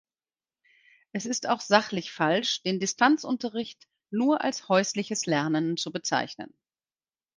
Es ist auch sachlich falsch den Distanzunterricht nur als „häusliches Lernen“ zu bezeichnen.